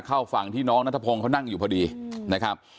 เข้าฝั่งที่น้องนัทพงศ์เขานั่งอยู่พอดีนะครับ